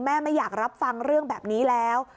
ไม่อยากรับฟังเรื่องแบบนี้แล้ว